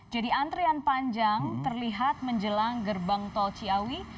jadi antrian panjang terlihat menjelang gerbang tol ciawi